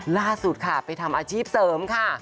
ล่าสุดค่ะไปทำอาชีพเสริมค่ะ